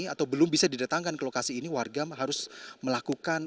atau belum bisa didatangkan ke lokasi ini warga harus melakukan